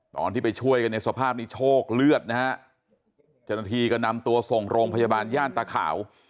ตอนที่ไปช่วยกันในสภาพนี้โชคเลือดนะฮะเจ้าหน้าที่ก็นำตัวส่งโรงพยาบาลย่านตาขาว